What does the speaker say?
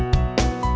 oke sampai jumpa